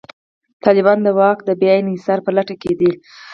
طالبان د واک د بیا انحصار په لټه کې دي.